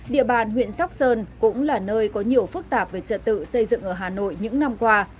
địa bàn huyện sóc sơn cũng là nơi có nhiều phức tạp về trật tự xây dựng ở hà nội những năm qua